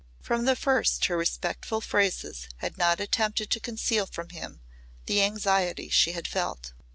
From the first her respectful phrases had not attempted to conceal from him the anxiety she had felt.